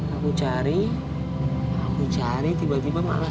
aku cari aku cari tiba tiba makna suara aku